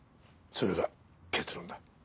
それが結論だ。